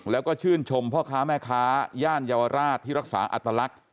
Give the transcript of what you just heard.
แล้วก็ชื่นชมพ่อค้าแม่ค้าย่านเยาวราชที่รักษาอัตลักษณ์